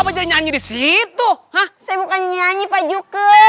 tidak pak juki